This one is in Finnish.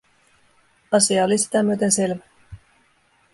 Asia oli sitä myöten selvä.